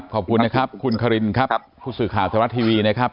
ขอบคุณนะครับคุณคารินครับผู้สื่อข่าวไทยรัฐทีวีนะครับ